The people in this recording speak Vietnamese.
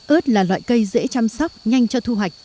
ớt là loại cây dễ chăm sóc nhanh cho thu hoạch